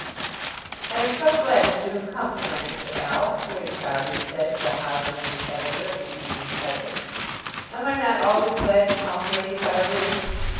"I am so glad that you have come to night, Mr. Alf," Lady Carbury said to the high minded editor of the "Evening Pulpit." "Am I not always glad to come, Lady Carbury?"